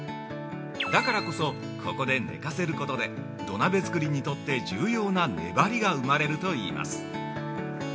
だからこそここで寝かせることで土鍋作りにとって重要な粘りが生まれるといいます。